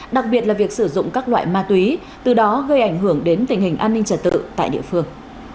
đặc biệt là việc sử dụng các loại ma túy từ đó gây ảnh hưởng đến tình hình an ninh trật tự tại địa phương